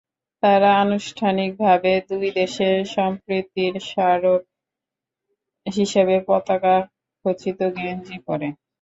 তারা আনুষ্ঠানিকভাবে দুই দেশের সম্প্রীতির স্মারক হিসেবে পতাকা খচিত গেঞ্জি পরে।